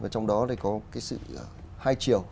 trong đó có sự hai chiều